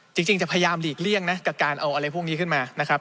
จริงจะพยายามหลีกเลี่ยงนะกับการเอาอะไรพวกนี้ขึ้นมานะครับ